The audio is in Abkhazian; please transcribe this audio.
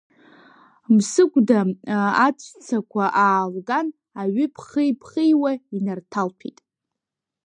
Мсыгәда аҵәцақәа аалган аҩы ԥхеи-ԥхеиуа инарҭалҭәеит.